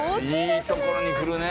いいところに来るね